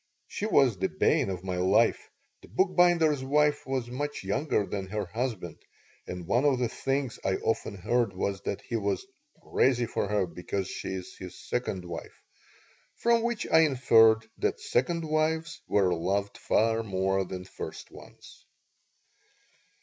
She was the bane of my life. The bookbinder's wife was much younger than her husband and one of the things I often heard was that he was "crazy for her because she is his second wife," from which I inferred that second wives were loved far more than first ones.